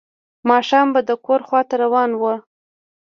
ماښام به د کور خواته روان و.